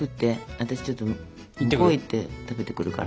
私ちょっと向こう行って食べてくるから。